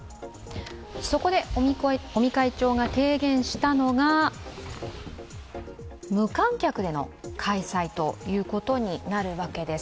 そこで尾身会長が提言したのが無観客での開催ということになるわけです。